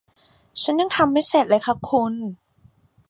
ฉันยังทำไม่เสร็จเลยค่ะคุณ